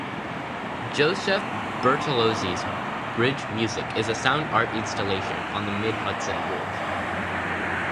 Joseph Bertolozzi's Bridge Music is a sound-art installation on the Mid-Hudson Bridge.